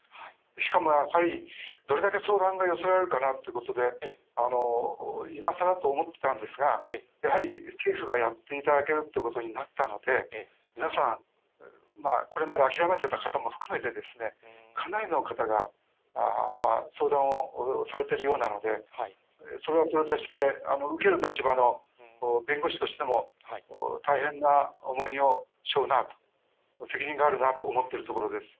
しかもやはり、どれだけ相談が寄せられるかなということで、いまさらと思ってたんですが、やはり政府がやっていただけるということになったので、皆さん、これまで諦めていた方も含めて、かなりの方が相談をされてるようなので、それはそれとして、受ける立場の弁護士としても、大変な重荷をしょうなと、責任があるなと思っているところです。